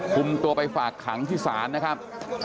คุมตัวไปฝากขังที่ศาลนะครับ